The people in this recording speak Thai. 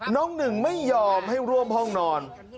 น้องหนึ่งไม่ยอมให้ร่วมห้องนอน